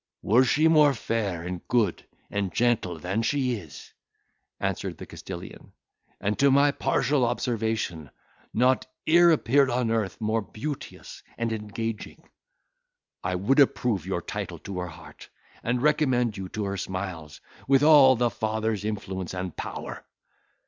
"Were she more fair and good and gentle than she is," answered the Castilian, "and to my partial observation nought e'er appeared on earth more beauteous and engaging, I would approve your title to her heart, and recommend you to her smiles, with all a father's influence and power.